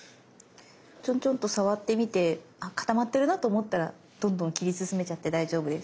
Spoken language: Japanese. ちょんちょんと触ってみてあ固まってるなと思ったらどんどん切り進めちゃって大丈夫です。